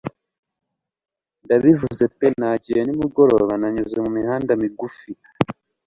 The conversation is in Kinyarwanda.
Ndabivuze pe Nagiye nimugoroba nanyuze mumihanda migufi